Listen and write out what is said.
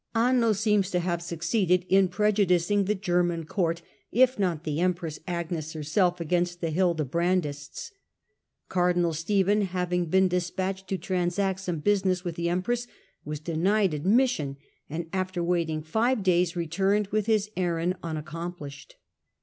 Anno seems to have succeeded in prejudicing the German court, if not the empress Agnes herself, against the Hildebrandists. Cardinal Stephen, having been despatched to transact some busi ness with the empress, was denied admission, and after waiting five days returned with his errand unaccom plished.